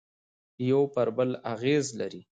یوه پر بل اغېز لري